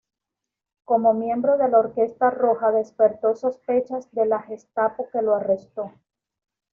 Como miembro de la Orquesta Roja despertó sospechas de la Gestapo que lo arrestó.